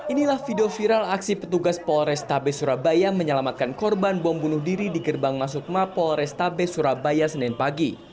inilah video viral aksi petugas polrestabes surabaya